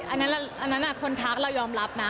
อันนั้นคนทักเรายอมรับนะ